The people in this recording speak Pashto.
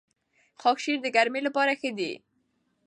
خاکشیر د ګرمۍ لپاره ښه دی.